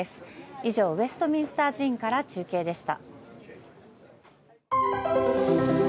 以上、ウェストミンスター寺院から中継でした。